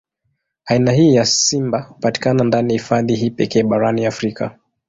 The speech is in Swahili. Aina hii ya simba hupatikana ndani ya hifadhi hii pekee barani Afrika.